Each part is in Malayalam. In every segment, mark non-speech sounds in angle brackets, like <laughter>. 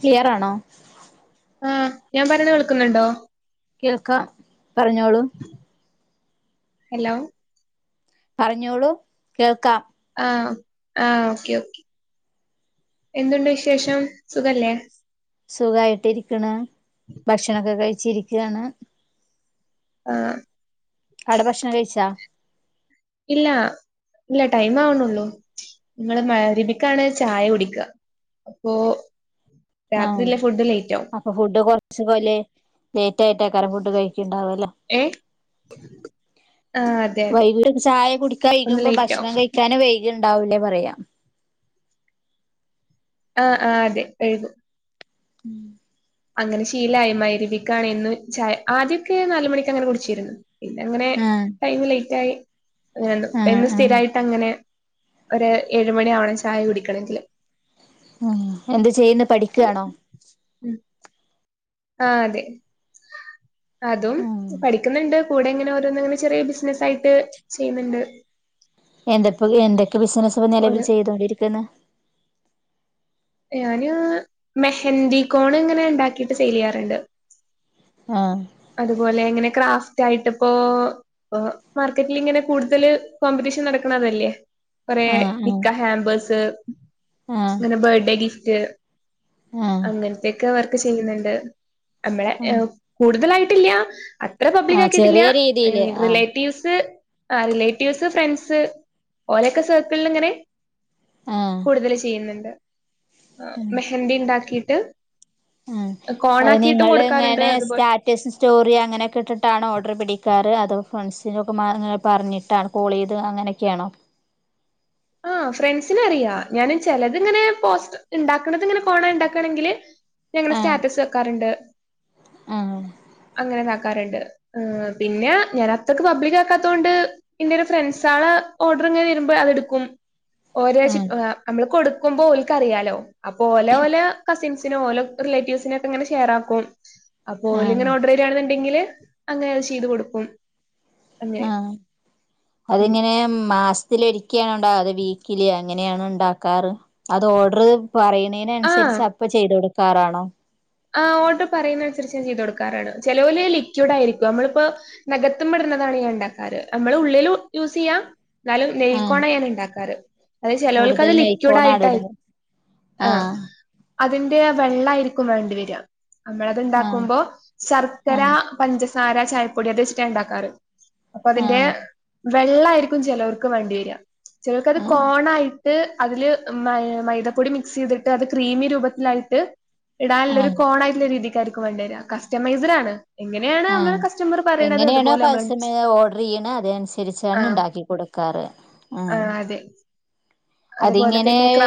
ക്ലിയറാണോ? ആ ഞാൻ പറഞ്ഞ കേൾക്കുന്നുണ്ടോ? കേൾക്കാം പറഞ്ഞോളൂ. ഹലോ പറഞ്ഞോളൂ കേൾക്കാം. ആആ ഓക്കെ ഓക്കെ. എന്തുണ്ട് വിശേഷം സുഖല്ലേ സുഖായിട്ടിരിക്കണ്. ഭക്ഷണൊക്കെ കഴിച്ചി ഇരിക്കയാണ്. ആ അടെ ഭക്ഷണം കഴിച്ചാ ഇല്ല ഇല്ല ടൈം ആവണള്ളൂ. ങ്ങള് മഗ്രിരിബ്ക്കാണ് ചായ കുടിക്ക അപ്പൊ ആഅപ്പൊ ഫുഡ് കൊറച്ച പോലെ ലേറ്റ് ആയിട്ട ആക്കറ ഫുഡ് കഴ ണ്ടാവല്ലോ. ഏഹ് ആഹ് അതെ അതെ വൈകിട്ട ചായ കുടിക്ക ഒന്ന് വെയ്ക്കുമ്പോ ലേറ്റ് ആവും ഭക്ഷണം കഴിക്കാനും വൈക ഇ ഉണ്ടാവൂലേ പറയാ. ആ ആ അതെ എഴുതും ഉം അങ്ങനെ ശീലമായി മരുവിക്കണന്ന് ച ആദ്യൊക്കെ നാലുമണിക്ക് അങ്ങനെ കുടിച്ചിരുന്നു ഇതങ്ങനെ ആഹ് ടൈം ലേറ്റ് ആയി എന്ന് ടൈം ആഹ് ആഹ് സ്ഥിരായിട്ട് അങ്ങനെ ഒരു ഏഴുമണി ആവണം ചായ കുടിക്കണങ്കില് ഉം എന്ത് ചെയ്യുന്ന പഠിക്കുവാണോ ആ അതെ അതും ആഹ് പഠിക്കുന്നുണ്ട് കൂടെങ്ങനെ ഓരോന്നങ്ങനെ ചെറിയ ബിസിനസ് ആയിട്ട് ചെയ്യുന്നുണ്ട് എന്തൊപ്പോ എന്തൊക്കെ ബിസിനസ് ഇപ്പൊ നിലവിൽ ഒരു ചെയ്തോണ്ടിരിക്കുന്നു ഞാന് മെഹന്തി കോൺ ഇങ്ങനെ ഉണ്ടാക്കിട്ട് സെയിൽ ചെയ്യാറുണ്ട് ആഹ് അതുപോലെ എങ്ങനെ ക്രാഫ് റ്റായിട്ടിപ്പോ മാർക്കറ്റിൽ ഇങ്ങനെ കൂടുതൽ കോമ്പറ്റീഷൻ നടക്കണതല്ലേ കുറെേ ആഹ് ആഹ് നിക്ക ഹാമ്പേഴ്സ് ആഹ് അങ്ങനെ ബർത്ത്ഡേ ഗിഫ്റ്റ് ആഹ് അങ്ങനത്തെൊക്കെ വർക്ക് ചെയ്യുന്നുണ്ട് നമ്മളെ ആഹ് കൂടുതലായിട്ടില്ല ഇത്ര പബ്ലിക് ആഹ് ആക്കിയിട്ടില്ല ചെറിയ രീതിയില് ആഹ് റിലേറ്റീവ്സ് ആ റിലേറ്റീവ്സ് ഫ്രണ്ട്സ് ഓരെയൊക്കെ സർക്കിളിൽ ഇങ്ങനെ ആഹ് കൂടുതൽ ചെയ്യുന്നുണ്ട് മെഹന്തി ണ്ടാക്കിയിട്ട് ആഹ് അത് നിങ്ങളിങ്ങനെ സ്റ്റാറ്റസ് സ്റ്റോറി അങ്ങനൊക്കെ ഇട്ടിട്ടാണോ ഡ്രബിഡിക്കാർ ഫ്രണ്ട്സിന്റെ ഒക്കെങ്ങന പറഞ്ഞിട്ടാണ് കോൾ ചെയ്ത് അങ്ങനെയൊക്കെയാണോ ആ ഫ്രണ്ട്സിനറിയാ ഞാന് ചിലത്ങ്ങനെ പോസ്റ്റർ ഉണ്ടാക്കണത് ഇങ്ങനെ പോണ ഉണ്ടാക്കണെങ്കിൽ ഞങ്ങള് ആഹ് സ്റ്റാറ്റസ് വെക്കാറുണ്ട് ആഹ് അങ്ങനെ നാക്കാറുണ്ട് ആ പിന്നെ ഞാനത്രക്ക് പബ്ലിക് ആക്കത്തോണ്ട് ഇൻ്റൊരു ഫ്രെണ്ട്സ് ആളെ ഓർഡർ ഇങ്ങനെ വരുമ്പോഴാണ് ഇട് കും ഓരോ ചി ആഹ് നമ്മള് കൊടുക്കുമ്പോ ഓലക്കറിയാലോ അപ്പൊ ഓലെ ഓല കസിൻസിനോ ഓല റിലേ റ്റീവ്സ് നൊക്കെ ങ്ങനെ ഷെയർ ആക്കും അപ്പൊൽ ആഹ് ഇങ്ങനെ ഓർഡർ ചെയ്യണെന്നുണ്ടെങ്കില് അങ്ങനെ അത് ചെയ്ത് കൊടുക്കും അങ്ങനെ ആ അതിങ്ങനെ മാസത്തിലൊ ക്യാ ഉണ്ടാ അതാ വീക്കില അങ്ങനെയാണ് ഉണ്ടാക്കാറ് അത് ഓർഡറ് പറയുന്നതിന് ആ അനുസരിച്ച് അപ്പ ചെയ്ത് കൊടുക്കാറാണോ ആ ഓടർ പറയുന്നതനുസരിച് ഞാൻ ചെയ്ത കൊടുക്കാറാണ് ചിലവോല ലിക്വിഡ് ആയിരിക്കും നമ്മളിപ്പോ നഖ ത്തുംട ഞാൻ ഉണ്ടാക്കാറ് നമ്മള് ഉള്ളിൽ യൂസ് ചെയ്യാം എന്നാലും നെയിൽ ആഹ് ക്കോണ ഞാൻ ഉണ്ടാക്കാറ് അതെ ചലോൽക്ക് കൂടുതൽ അത് ലിക്വിഡ് നൈക്കോണാണ് ആയിട്ടാവും ഇടുന്നത് ആ ആഹ് അതിന്റെ വെള്ളമായിരിക്കും വേണ്ടിവരിക ആഹ് നമ്മൾത്ണ്ടാക്കുമ്പോ ശർക്കര ആഹ് പഞ്ച ചായപ്പൊടി അത് വെച്ചിട്ട ഉണ്ടാക്കാറ് അപ്പൊ അതിന്റെ ആഹ് വെള്ളായിരിക്കും ചിലർക്ക് വണ്ടി വരിക ചിലർക്ക് അത് ആഹ് കോണായി ട്ട് അതില് മൈദപ്പൊടി മിക്സ് ചെയ്തിട്ട് അത് ക്രീമി രൂപത്തിലായിട്ട് നാല്ലോരു ആഹ് കോണ ആട്ടുള്ള രീതിക്ക ആയിരിക്കും വേണ്ടേരാ കസ്റ്റമൈസഡ് ആണ് എങ്ങനെയാണ് ആ നമ്മള് കസ്റ്റമർ പറയണത് എങ്ങനെയണോ അതുപോലെ നമ്മള് പസമയ ഓർഡർ ചെയ്യണ അത അനുസരിച്ചാണ് ആഹ് ഉണ്ടാക്കിക്കൊട് ക്കാറ് ആ ആഹ് <inaudible> അതുപോലെ അതിങ്ങനെ തന്നെ ക്ര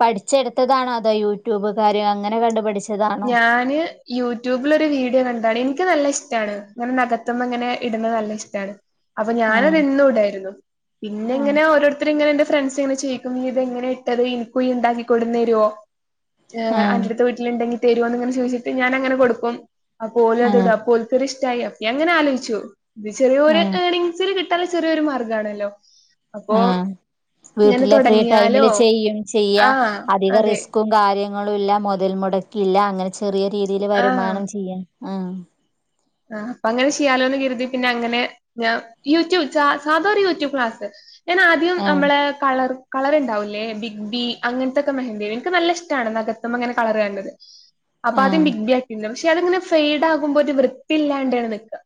പഠിച്ചെടുത്തതാ അതോ യൂട്യൂബ് കാര്യ അങ്ങനെ കണ്ട് പഠി ഞാന് യൂട്യൂബിലൊ രു ഒരു വീഡിയോ കണ്ടതാണ് എനിക്ക് നല്ല ഇഷ് ഇഷ്ടാണ് അങ്ങനെ നഗത്ത്മ്മേ ഇങ്ങനെ ഇടുന്നത് നല്ല ഇഷ്ടമാണ് അപ്പൊ ഞാനത് ആഹ് എന്നും ഇടായിരുന്നു പിന്നെ ആഹ് എങ്ങനെ ഓരോരുത്തർ ഇങ്ങനെ എ ഫ്രണ്ട്സ് എങ്ങനെ ച്യക്കും നീ ഇത എങ്ങനെ ഇട്ടത് ഇന്ക്കും ഉണ്ടാക്കി കൊടുന്ന് തരൂ ഏ അന്റെ ആഹ് അടുത്ത് വീട്ടിലുണ്ടെങ്കി തരു എന്ന്ങ്ങനെ ചോദിച്ചിട്ട് ഞാനങ്ങനെ കൊടുക്കും അപ്പോലും അതോടും ആഹ് അപ്പോൽക്കത് ഇഷ്ടമായി അ അങ്ങനെ ആലോചിച്ചു ഇത് ചെറിയ ഒരു ഏണിംഗസി കി ലയചെറിയൊരു മാർഗ്ഗമാണല്ലോ അപ്പൊ ആഹ് വീട്ടിലെ ഫ്രീ ടൈമില് ചെയ്യും ചെയ്യാ ആഹ് അധികം അതെ റിസ്കും കാര്യം ങ്ങളല്ല മുതൽ മുടക്ക ഇല്ല അങ്ങനെ ചെറിയ രീതിൽ വരുമാനം ചെയ്യാം ആ ആ അപ്പൊ അങ്ങനെ ചെയ്യാലോന്ന് കരുതി പിന്നെ അങ്ങനെ ഞാ യൂട്യൂബ് സാധാരണ യൂട്യൂബ് ക്ലാസ് - - - ഞൻ ആദ്യം ആഹ് നമ്മളെ കളർ കളർ ഉണ്ടാവൂല്ലേ ബിഗ് ബി അങ്ങനത്തെൊക്കെ മെഹന്ദീ എനിക്ക് നല്ല ഇഷ്ടമാണ് നഗത്തുമ്പ അങ്ങനെ കളർ കാണ്ണത് അപ്പൊ ആദ്യം ആഹ് ബിഗ് ബാറ്റിണ്ട് പക്ഷെ അത്ങ്ങനെ ഫെയ്ഡ് ആകുമ്പോ ഒരു വൃത്തിയില്ലാതാണ് നക്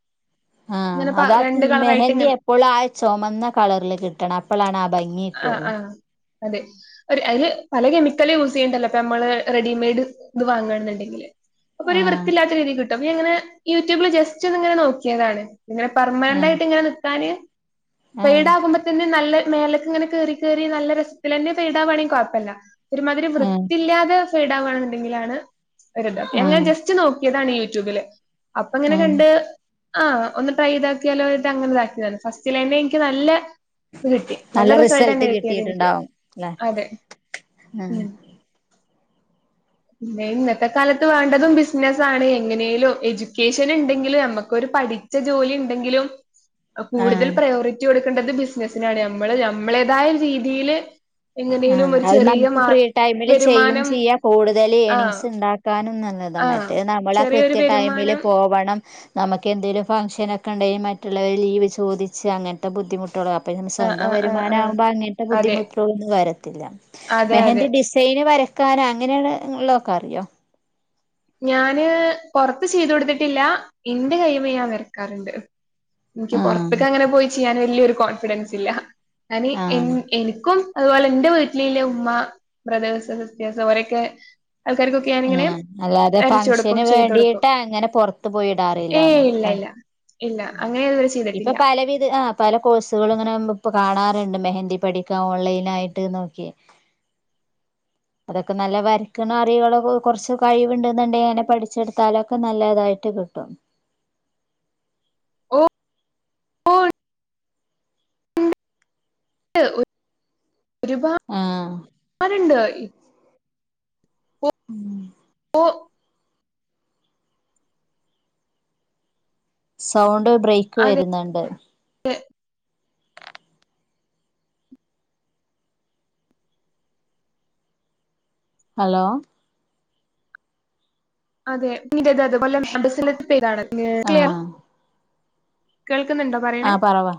ആ അതാ മെഹന്തി ഇങ്ങനെ എപ്പോഴ ആ ചുമന്ന കളറില് കിട്ടണം അപ്പോഴാണ് ആ ഭംഗി ആഹ കിട്ടുള്ളൂ ആഹ അതെ ഒരു അതില് പല കെമിക്കല് യൂസ് ചെയ്യണ്ടല്ലോ ഇപ്പൊ നമ്മള് റെഡിമെയ്ഡ് ഇത് വാങ്ങണെന്നുണ്ടെങ്കില് അപ്പൊ ഒരു ആഹ് വൃത്തില്ലാത്ത രീതിൽ കിട്ടും അ ഇങ്ങനെ യൂട്യൂബില് ജസ്റ്റ് ഇത് ഇങ്ങനെ നോക്കിയതാണ് ഇങ്ങനെ പെർമനന്റ് ആഹ് ആയിട്ട് ഇങ്ങനെ നിൽക്കാാന് പെയഡ ആഹ് ആകുമ്പോ തന്നെ നല്ല മേലക്ക ഇങ്ങനെ കറി കേയറി നല്ല രസത്തിലന്റെറെ പെടാൻവാണെങ്കിൽ കെഴപ്പല്ല ഒരുമാതിരി ആഹ് വൃത്തില്ലാതെ ഫഡണുണ്ടെങ്കിലാണ് ഒരുത ഞാൻ ആഹ് ജസ്റ്റ് നോക്കിയതാണ് യൂട്യൂബില് അപ്പ ഇങ്ങനെ ആഹ് കണ്ട് - ആഹ് ഒന്ന് ട്രൈ ഇതാക്കിയാലോട്ട് അങ്ങനെതാക്കിയതാണ് ഫസ്റ്റില എനിക്ക് നല്ല കിട്ടി നല്ല റിസൾട്ട് തന്നെ കിട്ടിയത് എനിക്ക് അതെ ആഹ ഉം പിന്നെ ഇന്നത്തെ കാലത്ത് വേണ്ടതും ബിസിനസ്സ ആണ് എങ്ങനേലും എജു എജുകേഷൻ ഉണ്ടെങ്കിലും നമുക്കരു പഠിച്ച ജോലി ണ്ടെങ്കിലും കൂടുതൽ ആഹ് പ്രയോറിറ്റി കൊടുക്ക ക്കണ്ടത് ബിസിനസിനാണ് നമ്മള് നമ്മളേതായ രീതിൽ ആ അത് നമുക്ക് ഫ്രീ ടൈമില് ചെയ്യും വരുമാനം ചെയ്യാ കൂടുതൽ ആഹ് ഏണിങ്സ് ഉണ്ടാക്കാനും ഒപ താ ആഹ് മറ്റേ നമ്മൾ ആ ചെറിയൊരു കൃത്യ ടൈമിൽ വരുമാനം പോവണം - ണം നമുക്കെന്തലുംക്കെ ഫഗ് ഷനെക്കെണ്ടെങ്കിൽ മറ്റുള്ളവരിന്ന ലിവ് ചോയ്ച്ച് അങ്ങനത്തെ ബുധി അപ്പ ആഹ് സ്വന്തം ആഹ് ആഹ് ആഹ് വരുമാനമാക്പോ അങ്ങനത്തെ അതെ ബുദ്ധിമു ഒും വരത്തില്ല അതെ അതെ മെഹന്തി ഡിസൈന് വരക്കാനോ അങ്ങനെയാണ് ഉള്ളതൊക്കെ അറിയോ? ഞാന് പൊറത്ത് ചെയ്തു കൊടുത്തിട്ടില്ല എന്റെ കൈമേ ഞാൻ വരക്കാറുണ്ട്. എനിക്ക് പുറത്തേക്ക ആഹ് അങ്ങനെ പോയി ചെയ്യാൻ വലിയൊരു കോൺഫിഡൻസ് ഇല്ല ഞാൻ ആഹ് എനിക്കും അതുപോലെ എൻന്റെ വീട്ടിലെ ഉമ്മ ബ്രദേേഴ്സ് സിസ്റ്റേഴ്സ് അവരൊക്കെ ആൾക്കാർക്കൊക്കെ ആഹ ഞാനിങ്ങനെ അല്ല അതെ വരച്ചു കൊടുക്കും ഫംഗഷന് ചെയ്തു കൊടുക്കും വേണ്ടീട്ട് അങ്ങനെ പുറത്ത ഏയ് പോയിടാറില്ലന്നലേ ഇല്ല ഇല്ല ഇല്ല അങ്ങനെ ഇതുവരെ ഇപ്പൊ ചെയ്തിട്ടില്ല പലവിധ ആ പല കോഴ്സുകൾ ഇങ്ങനെ ഇപ്പൊ കാണാറുണ്ട് മെഹന്തി പഠിക്കാൻ ഓൺലൈൻ ആയിട്ട് നോക്കി നേകെ അതൊക്കെ നല്ല വരയ്ക്കണ അറിവൾ കുറച്ച് കഴിവുണ്ട എന്നുണ്ടെിൽങ്ങനെ പഠിച്ചെടുത്താലൊക്കെ നല്ലതായിട്ട് <unintelligible> ആ <unintelligible> <unintelligible> ഒരുപാട് ആഹ് ഉണ്ട് ഉം ഓ സൗണ്ട് ബ്രേക്ക് അതെ വരുന്നുണ്ട്. ഹലോ അതെ പിന്നത അതുപോലെസനത്ത് പേ <unintelligible> താണ്ത് ആഹ കേൾക്കുന്നുണ്ടോ പറയണേ ആഹ പറവാ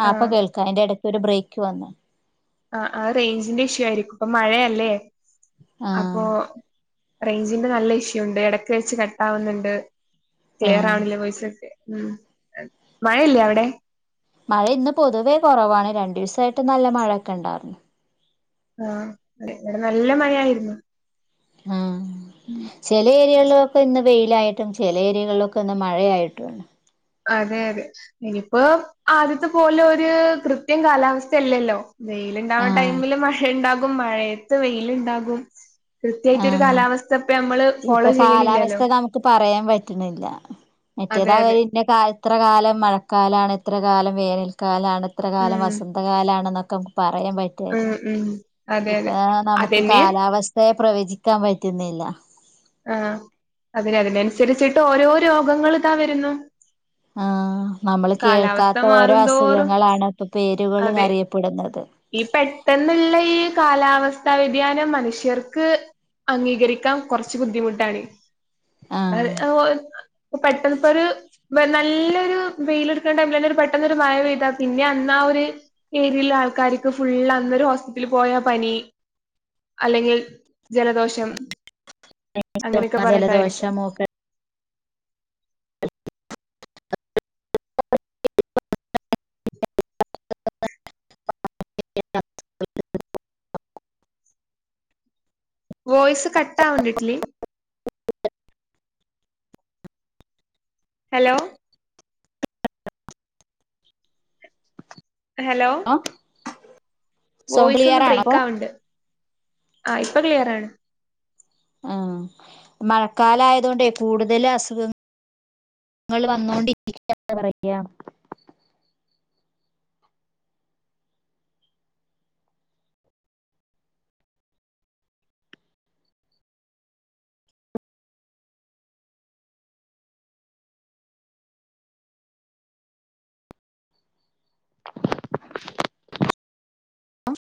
ആ അപ്പൊ ആഹ് കേൾക്കാ എന്റെ ഇടക്ക് ഒരു ബ്രേക്ക് വന്ന് ആ ആ റേഞ്ചിന്റെ ഇഷ്യൂ ആയിരിക്കും അപ്പൊ മഴയല്ലേ ആഹ് അപ്പൊ - റേഞ്ചിന്റെ നല്ല ഇഷ്യൂ ഉണ്ട് ഇടക്ക് വെച്ച് കട്ട ആാവുന്നുണ്ട് ക്ലിയർ ആഹ് ആവണില്ലേ വോയിസ ക്കെ ഉം മഴയില്ലേ അവിടെ? മഴ ഇന്ന് പൊതുവേ കൊറവാണ്. രണ്ടീസായിട്ട് നല്ല മഴൊക്കെണ്ടായിരുന്നു. ആഹ്. അതെ ഇവിടെ നല്ല മഴയായിരുന്നു. ആഹ്. ഉം ചെലേ ല ഏരികളിന്ന് വെയിലായിട്ടും ചില ഏരിയകളിലൊക്കിന്ന് മഴയായിട്ടും അതെയതെ, ഇനിപ്പോ ആദ്യത്തെ പോലൊര് കൃത്യം കാലാവസ്ഥയല്ലല്ലോ? വെയിലുണ്ടാവ്ണ ആഹ് ടൈമില് മഴ ഇണ്ടാകും മഴയത്ത് വെയിലിണ്ടാകും. ആഹ്. ഇപ്പൊ ഫോളോ ചെയ്യണില്ലല്ലോ കാലാവസ്ഥ നമുക്ക് പറയാൻ പറ്റ്ന്നില്ല അതെ അതെ മറ്റേതാവര് ഇന്റെ കാല് ഇത്ര കാലം മഴക്കാലാണ്, ഇത്ര കാലം വേനൽക്കാലാണ്, ഇത്ര കാലം ഉം വസന്തകാലാണെന്നൊക്കെ പറയാൻ ഉം പറ്റുവായിരുന്നു. ഉം അതെ അതെ ഇപ്പാ നമുക്ക് അതന്നെ കാലാവസ്ഥയെ പ്രവചിക്കാൻ പറ്റ്ന്നില്ല. ആ അതിന്, അതിനനുസരിച്ചിട്ട് ഓരോ രോഗങ്ങളിതാ വരുന്നു. ആ നമ്മള് കേൾക്കാത്ത കാലാവസ്ഥ ഓരോ മാറുന്തോറും അസുഖങ്ങളാണ് ഇപ്പൊ പേരുകളില് അതെ അറിയപ്പെടുന്നത്. ഈ പെട്ടെന്ന്ള്ള ഈ കാലാവസ്ഥ വ്യതിയാനം മനുഷ്യർക്ക് അംഗീകരിക്കാൻ കുറച്ച് ബുദ്ധിമുട്ടാണ് അ ആഹ് ഓല് പെട്ടെന്നിപ്പോരു വെ നല്ലൊരു വെയിലെടുക്കണ ടൈമിലെന്നെ രു പെട്ടെന്നൊരു മഴ പെയ്താ പിന്നെയന്നാ ഒരു ഏരിയുള്ളൊരാൾക്കാര് ക്ക് ഫുള്ള് അന്നൊരു ഹോസ്പിറ്റലിൽ പോയാ പനി, അല്ലെങ്കിൽ ജലദോഷം അങ്ങനെയൊക്കെ പറഞ്ഞിട്ടായിരിക്കും. ജലദോഷം മൂക്കടപ്പ് <unintelligible> വോയിസ് കട്ടാവണ്ടിട്ടിലി ഹലോ. ഹലോ സൗണ്ട് വോയിസൊന്ന് ക്ലിയർ ആണോ ബ്രേക്ക്‌ ആവുണ്ട്. ആ ഇപ്പ ക്ലിയർ ആണ്. ആ മഴക്കാലയതോണ്ടേ കൂടുതൽ അസുഖങ്ങ ങ്ങള് വന്നോണ്ടി <unintelligible> ക്ക പറയാ. <unintelligible> ആ